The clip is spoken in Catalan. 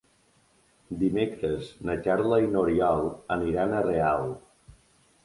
Dimecres na Carla i n'Oriol aniran a Real.